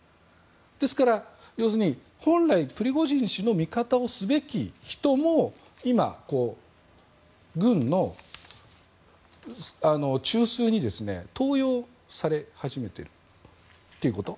ですから、本来プリゴジン氏の味方をすべき人も今、軍の中枢に登用され始めているということ。